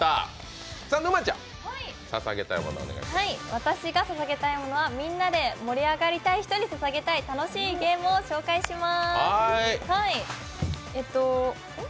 私がささげたいものはみんなで盛り上がりたい人にささげたい楽しいゲームを紹介します。